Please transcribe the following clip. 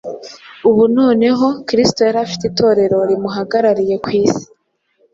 Ubu noneho Kristo yari afite Itorero rimuhagarariye ku isi